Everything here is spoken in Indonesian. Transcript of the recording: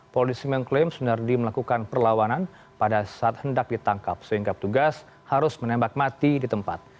polisi mengklaim sunardi melakukan perlawanan pada saat hendak ditangkap sehingga petugas harus menembak mati di tempat